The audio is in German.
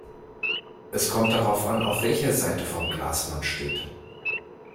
Es kommt darauf an, auf welcher Seite vom Glas man steht.